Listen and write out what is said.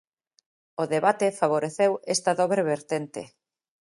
O debate favoreceu esta dobre vertente.